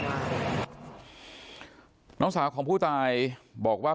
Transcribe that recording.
น้องสาวของผู้ตายบอกว่า